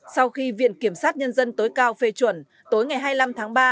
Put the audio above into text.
sau khi viện kiểm sát nhân dân tối cao phê chuẩn tối ngày hai mươi năm tháng ba